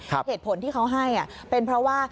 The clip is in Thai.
เหตุผลที่เขาให้เป็นเพราะว่า